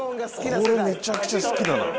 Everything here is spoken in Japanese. これめちゃくちゃ好きだな。